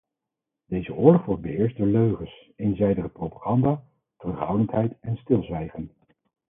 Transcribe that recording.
Deze oorlog wordt beheerst door leugens, eenzijdige propaganda, terughoudendheid en stilzwijgen.